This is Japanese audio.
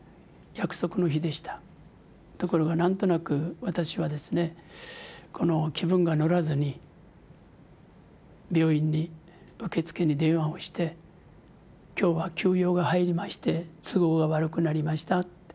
ところがなんとなく私はですね気分が乗らずに病院に受付に電話をして「今日は急用が入りまして都合が悪くなりました。